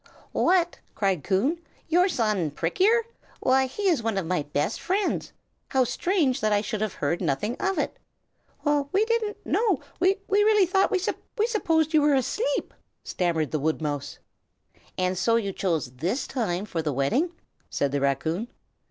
"What?" cried Coon. "Your son Prick ear? Why, he is one of my best friends! How strange that I should have heard nothing of it!" "We didn't know we really thought we supposed you were asleep!" stammered the woodmouse. "And so you chose this time for the wedding?" said the raccoon.